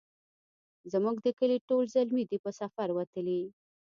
زموږ د کلې ټول زلمي دی په سفر وتلي